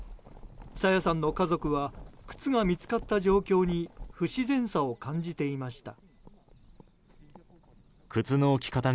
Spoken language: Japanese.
朝芽さんの家族は靴が見つかった状況に不自然さを感じていました。